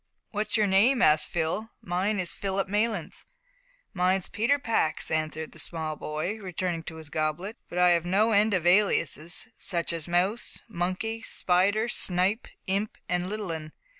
"What's your name?" asked Phil; "mine is Philip Maylands." "Mine's Peter Pax," answered the small boy, returning to his goblet; "but I've no end of aliases such as Mouse, Monkey, Spider, Snipe, Imp, and Little 'un.